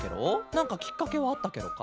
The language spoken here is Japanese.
なんかきっかけはあったケロか？